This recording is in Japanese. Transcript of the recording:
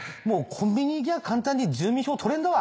コンビニ行きゃ簡単に住民票取れんだわ。